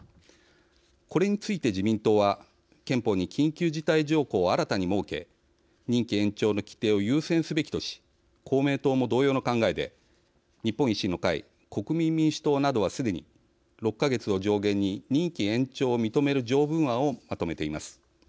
これについて自民党は憲法に緊急事態条項を新たに設け任期延長の規定を優先すべきとし公明党も同様の考えで日本維新の会、国民民主党などはすでに、６か月を上限に任期延長を認める条文案をまとめています。